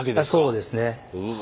そうですね。